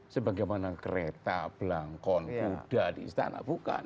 sebagaimana kereta belangkon kuda di istana bukan